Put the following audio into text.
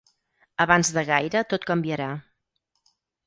Abans de gaire tot canviarà.